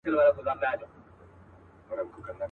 له ناكامه يې ويل پرې تحسينونه .